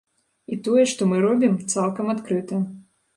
І тое, што мы робім, цалкам адкрыта.